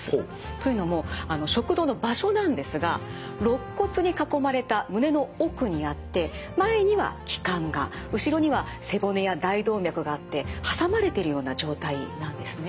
というのも食道の場所なんですがろっ骨に囲まれた胸の奥にあって前には気管が後ろには背骨や大動脈があって挟まれてるような状態なんですね。